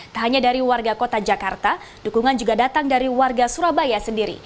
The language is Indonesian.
tak hanya dari warga kota jakarta dukungan juga datang dari warga surabaya sendiri